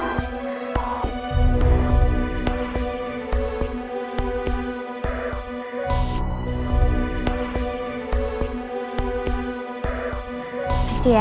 terima kasih ya